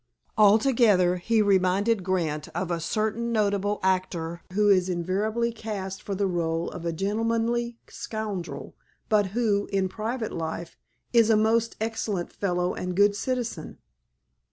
Altogether, he reminded Grant of a certain notable actor who is invariably cast for the rôle of a gentlemanly scoundrel, but who, in private life, is a most excellent fellow and good citizen.